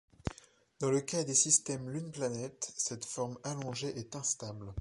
Dans le cas des systèmes lune-planète, cette forme allongée est instable.